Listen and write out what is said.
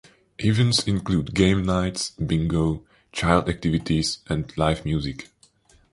Events include game nights, bingo, child activities, and live music.